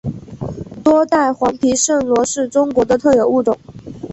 多带黄皮坚螺是中国的特有物种。